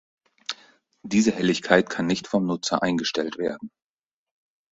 Diese Helligkeit kann nicht vom Nutzer eingestellt werden.